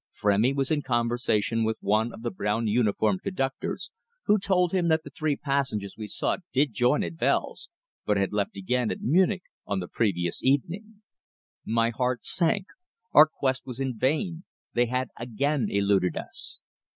Frémy was in conversation with one of the brown uniformed conductors, who told him that the three passengers we sought did join at Wels, but had left again at Munich on the previous evening! My heart sank. Our quest was in vain. They had again eluded us!